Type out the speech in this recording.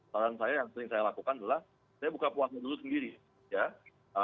saran saya yang sering saya lakukan adalah saya buka puasa dulu sendiri ya